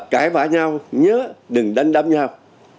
phải vãi nhau nhớ đừng đánh đâm nhau